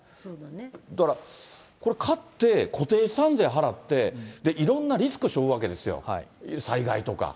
だから、これ、買って、固定資産税払って、で、いろんなリスクしょうわけですよ、災害とか。